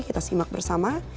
kita simak bersama